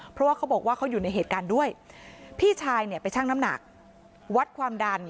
เพราะว่าเขาบอกว่าเขาอยู่ในเหตุการณ์ด้วยพี่ชายเนี่ยไปชั่งน้ำหนักวัดความดัน